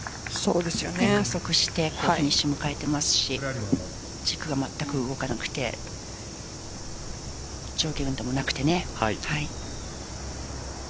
加速してフィニッシュ迎えていますし軸がまったく動かなくて上下運動もなくてね。